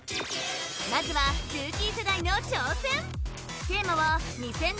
まずはルーキー世代の挑戦！